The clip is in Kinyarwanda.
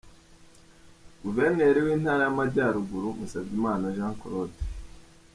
Guverineri w’Intara y’Amajyaruguru, Musabyimana Jean Claude .